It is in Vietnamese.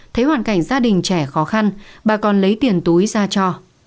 thấy hoàn cảnh gia đình trẻ khó khăn bà còn lấy tiền túi ra cho